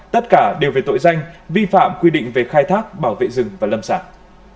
tất cả đều về tội danh vi phạm quy định về khai thác bảo vệ rừng và lâm sản